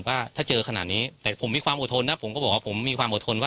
ว่าถ้าเจอขนาดนี้แต่ผมความโอดนน่ะผมก็ว่าบอกว่าผมความโอดนน่ะ